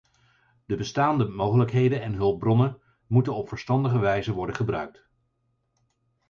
De bestaande mogelijkheden en hulpbronnen moeten op verstandige wijze worden gebruikt.